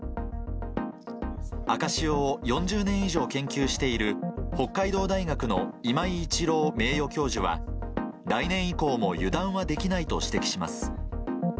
赤潮を４０年以上研究している北海道大学の今井一郎名誉教授は、来年以降も油断はできないと指摘します。